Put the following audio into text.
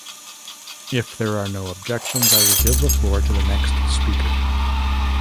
If there are no objections, I will give the floor to the next speaker.